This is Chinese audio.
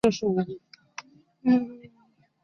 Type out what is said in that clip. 橙红灯台报春为报春花科报春花属下的一个种。